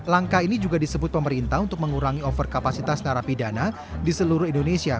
langkah ini juga disebut pemerintah untuk mengurangi overkapasitas narapidana di seluruh indonesia